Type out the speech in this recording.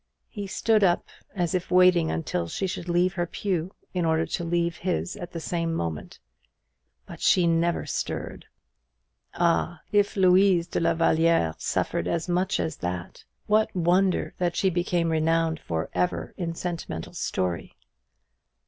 He stood up, as if waiting until she should leave her pew, in order to leave his at the same moment. But she never stirred. Ah, if Louise de la Vallière suffered as much as that! What wonder that she became renowned for ever in sentimental story!